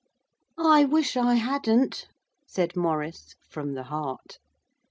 'I wish I hadn't,' said Maurice, from the heart.